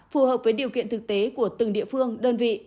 phù hợp với điều kiện thực tế của từng địa phương đơn vị